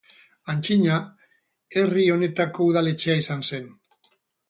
Antzina herri honetako udaletxea izan zen.